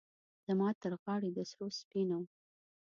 زما ترغاړې د سرو، سپینو،